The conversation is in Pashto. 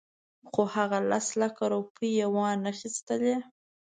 خو هغه لس لکه روپۍ یې وانخیستلې.